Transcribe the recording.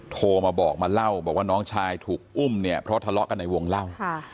โทรมาบอกมาเล่าบอกว่าน้องชายถูกอุ้มเนี่ยเพราะทะเลาะกันในวงเล่า